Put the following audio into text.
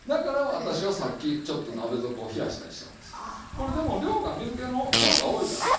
これでも量が水けの量が多いからね。